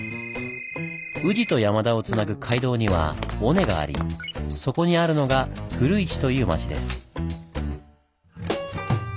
宇治と山田をつなぐ街道には尾根がありそこにあるのが「古市」という町です。